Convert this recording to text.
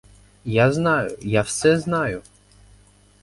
Я знаю, я все знаю.